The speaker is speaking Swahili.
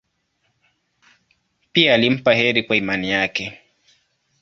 Pia alimpa heri kwa imani yake.